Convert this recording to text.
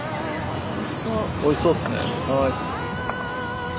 おいしそうっすね。